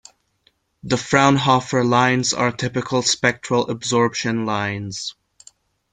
The Fraunhofer lines are typical spectral absorption lines.